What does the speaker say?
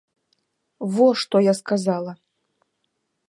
Во што я сказала!